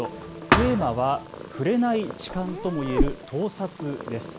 テーマは触れない痴漢とも言える盗撮です。